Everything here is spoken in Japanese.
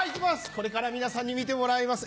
これから皆さんに見てもらいます。